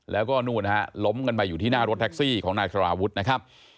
แล้วก็นู่นฮะล้มกันไปอยู่ที่หน้ารถแท็กซี่ของนายสารวุฒินะครับ